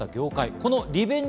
このリベンジ